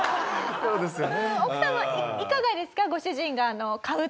そうですよね。